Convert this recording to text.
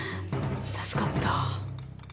助かった。